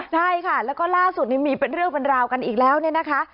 ใช่ค่ะแล้วก็ล่าสุดนี้มีเป็นเรื่องเป็นราวกันอีกแล้วเนี่ยนะคะ